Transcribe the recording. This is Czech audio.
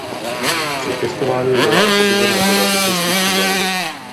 Při testování byla objevena řada technických problémů.